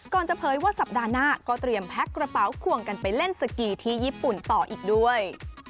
จะเผยว่าสัปดาห์หน้าก็เตรียมแพ็คกระเป๋าควงกันไปเล่นสกีที่ญี่ปุ่นต่ออีกด้วย